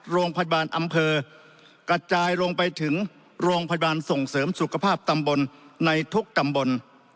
โรงพยาบาลอำเภอกระจายลงไปถึงโรงพยาบาลส่งเสริมสุขภาพตำบลในทุกตำบล